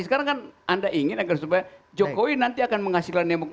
sekarang kan anda ingin agar supaya jokowi nanti akan menghasilkan demokrasi